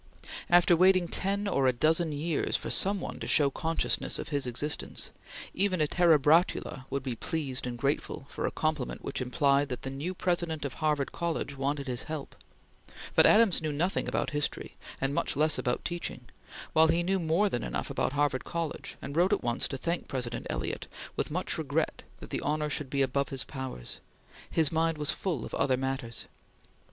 After waiting ten or a dozen years for some one to show consciousness of his existence, even a Terebratula would be pleased and grateful for a compliment which implied that the new President of Harvard College wanted his help; but Adams knew nothing about history, and much less about teaching, while he knew more than enough about Harvard College; and wrote at once to thank President Eliot, with much regret that the honor should be above his powers. His mind was full of other matters.